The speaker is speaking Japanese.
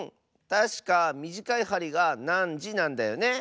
たしかみじかいはりが「なんじ」なんだよね。